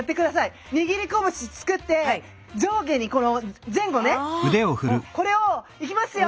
握り拳作って上下にこの前後ねこれをいきますよ！